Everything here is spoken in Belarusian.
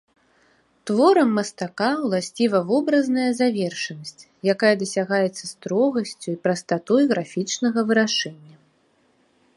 Творам мастака ўласціва вобразная завершанасць, якая дасягаецца строгасцю і прастатой графічнага вырашэння.